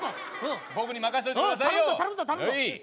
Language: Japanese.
僕に任せといてくださいよ。